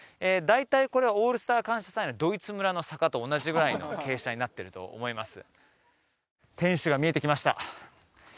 大体これは「オールスター感謝祭」のドイツ村の坂と同じぐらいの傾斜になってると思います